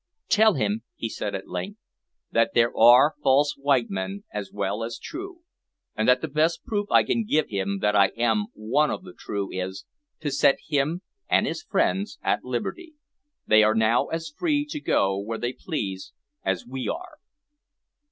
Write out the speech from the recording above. "Tell him," he said at length, "that there are false white men as well as true, and that the best proof I can give him that I am one of the true is, to set him and his friends at liberty. They are now as free to go where they please as we are."